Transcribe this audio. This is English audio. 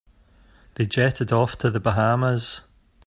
They jetted off to the Bahamas.